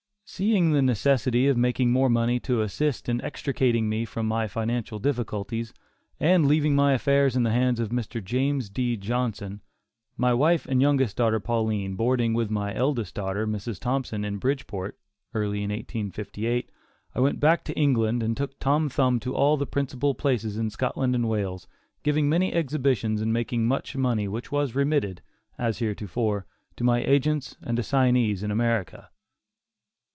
Seeing the necessity of making more money to assist in extricating me from my financial difficulties, and leaving my affairs in the hands of Mr. James D. Johnson my wife and youngest daughter, Pauline, boarding with my eldest daughter, Mrs. Thompson, in Bridgeport early in 1858, I went back to England, and took Tom Thumb to all the principal places in Scotland and Wales, giving many exhibitions and making much money which was remitted, as heretofore, to my agents and assignees in America.